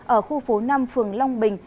ở khu phố năm phường long bình